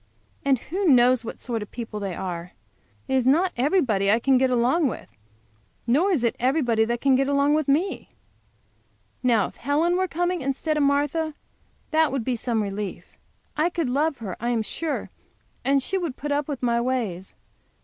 And who knows what sort of people they are? It is not everybody I can get along with, nor is it everybody can get along with me. Now, if Helen were coming instead of Martha, that would be some relief. I could love her, I am sure, and she would put up with my ways.